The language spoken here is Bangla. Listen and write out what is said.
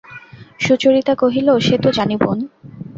সুচরিতা কহিল, সে তো জানি বোন!